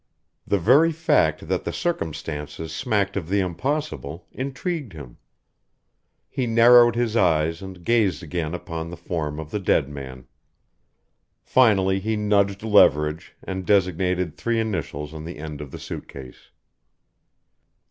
The very fact that the circumstances smacked of the impossible intrigued him. He narrowed his eyes and gazed again upon the form of the dead man. Finally he nudged Leverage and designated three initials on the end of the suit case.